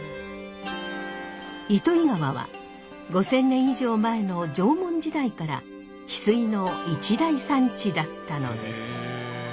糸魚川は５，０００年以上前の縄文時代から翡翠の一大産地だったのです。